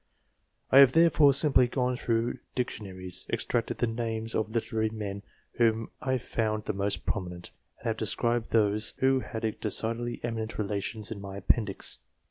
I have therefore simply gone through dictionaries, extracted the names of literary men whom I found the most prominent, and have described those who had decidedly eminent relations in my appendix.